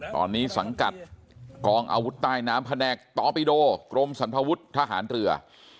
ตอนนี้สังกัดกองอาวุธใต้น้ำแผนกตอปิโดกรมสันทวุฒิทหารเรือ